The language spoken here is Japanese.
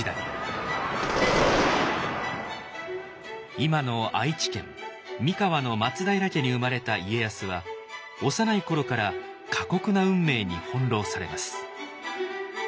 今の愛知県三河の松平家に生まれた家康は幼い頃から過酷な運命に翻弄されます。